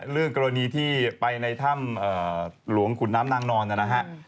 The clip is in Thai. เรื่องกรณีที่ไปในถ้ำหลวงขุนน้ำนางนอนนะฮะ